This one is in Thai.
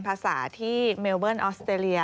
ภาษาที่เมลเบิ้ลออสเตรเลีย